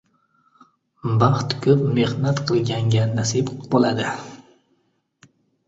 Baxt ko‘p mehnat qilganga nasib bo‘ladi.